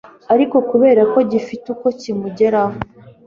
ariko kubera ko gifite uko kimugeraho